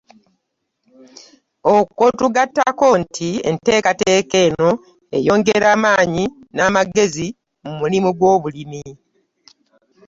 Okwo tugattako nti enteekateeka eno eyongera amanyi n’amagezi mu mulimu gw'obulimi.